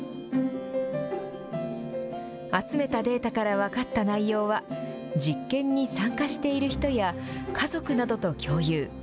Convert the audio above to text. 集めたデータから分かった内容は、実験に参加している人や家族などと共有。